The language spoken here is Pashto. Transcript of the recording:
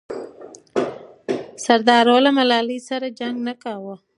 سردارو له ملالۍ سره جنګ نه کاوه.